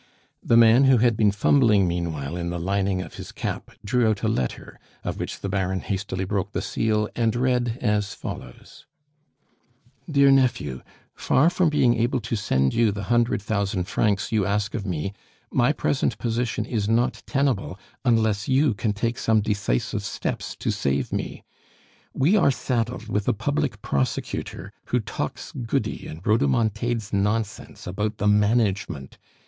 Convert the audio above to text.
The man, who had been fumbling meanwhile in the lining of his cap, drew out a letter, of which the Baron hastily broke the seal, and read as follows: "DEAR NEPHEW, Far from being able to send you the hundred thousand francs you ask of me, my present position is not tenable unless you can take some decisive steps to save me. We are saddled with a public prosecutor who talks goody, and rhodomontades nonsense about the management.